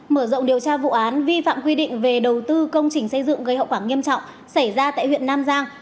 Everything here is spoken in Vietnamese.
mở rộng điều tra vụ án vi phạm quy định về đầu tư công trình xây dựng gây hậu quả nghiêm trọng xảy ra tại huyện nam giang